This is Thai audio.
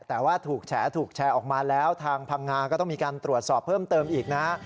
แต่ว่าถูกแฉถูกแชร์ออกมาแล้วทางพังงาก็ต้องมีการตรวจสอบเพิ่มเติมอีกนะ